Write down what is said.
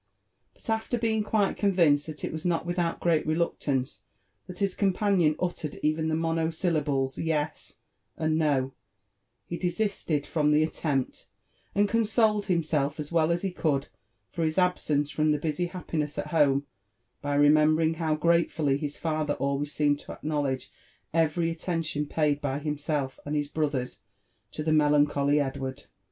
But after being quite convinced that it was not without great reluctance that his companion uttered even the monosyl lables *' yes" and *' no," he desisted from the attempt, and consoled himself as well as he could for his absence from the busy happiness at home by remembering how gratefully his father always seemed to acknowledge every attention paid by himself and bis brothers to the melancholy Edward.